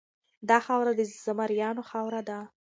دا خاوره د زمریانو خاوره ده.